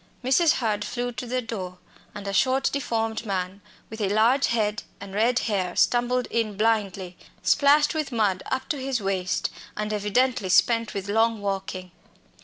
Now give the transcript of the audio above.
Mrs. Hurd flew to the door, and a short, deformed man, with a large head and red hair, stumbled in blindly, splashed with mud up to his waist, and evidently spent with long walking.